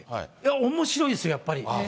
おもしろいですよ、やっぱり。